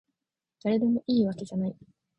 だれでもいいわけじゃない